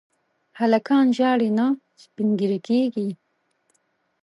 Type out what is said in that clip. هلکان ژاړي نه، سپين ږيري کيږي.